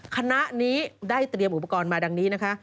คณะนี้ได้เตรียมอุปกรณ์มาดังนี้นะคะ